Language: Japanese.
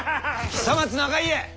久松長家！